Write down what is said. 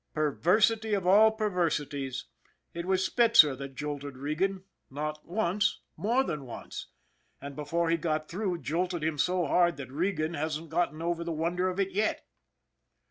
Perversity of perversities! It was Spitzer that jolted Regan not once, more than once. And before he got through, jolted him so hard that Regan hasn't got over the wonder of it yet.